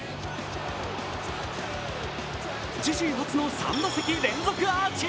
自身初の３打席連続アーチ。